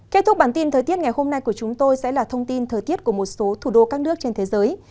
kết thúc bản tin thời tiết ngày hôm nay của chúng tôi sẽ là thông tin thời tiết của một số thủ đô các nước trên thế giới